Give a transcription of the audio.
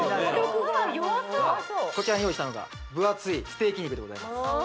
こちらに用意したのが分厚いステーキ肉でございます